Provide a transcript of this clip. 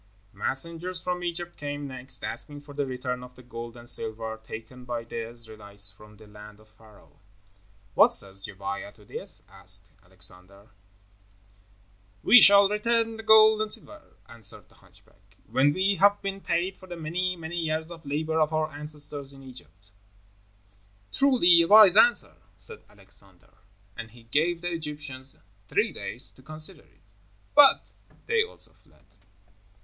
Messengers from Egypt came next, asking for the return of the gold and silver taken by the Israelites from the land of Pharaoh. "What says Gebiah to this?" asked Alexander. "We shall return the gold and silver," answered the hunchback, "when we have been paid for the many, many years of labor of our ancestors in Egypt." "Truly a wise answer," said Alexander, and he gave the Egyptians three days to consider it. But they also fled.